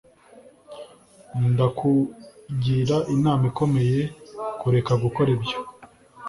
Ndakugira inama ikomeye kureka gukora ibyo